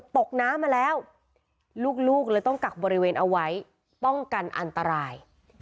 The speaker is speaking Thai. ตกน้ำมาแล้วลูกเลยต้องกักบริเวณเอาไว้ป้องกันอันตราย